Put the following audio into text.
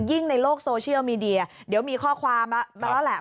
ในโลกโซเชียลมีเดียเดี๋ยวมีข้อความมาแล้วแหละ